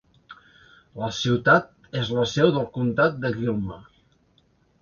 La ciutat és la seu del comtat de Gilmer.